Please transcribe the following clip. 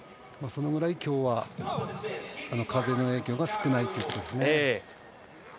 そのぐらい今日は風の影響が少ないですね。